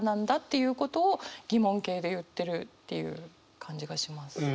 いうことを疑問形で言ってるっていう感じがします。